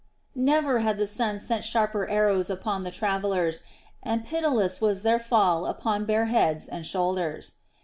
Never had the sun sent sharper arrows upon the travellers, and pitiless was their fall upon bare heads and shoulders.